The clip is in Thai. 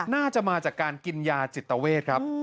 น่าจะมาจากการกินยาจิตเวทครับ